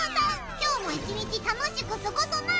今日も一日楽しくすごそな。